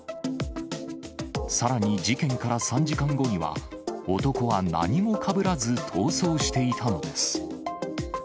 さらに事件から３時間後には、男は何もかぶらず、逃走していたのです。